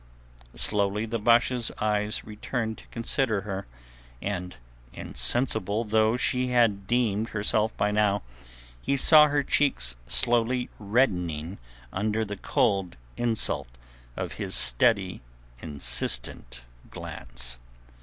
Slowly the Basha's eyes returned to consider her, and insensible though she had deemed herself by now, he saw her cheeks slowly reddening under the cold insult of his steady, insistent glance.